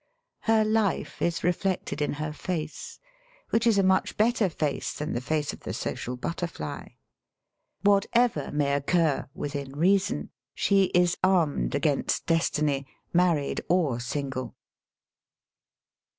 Her life is reflected in her face, which is a much better face than the face of the social but terfly. Whatever may occur — ^within reason — she is armed against destiny, married or single.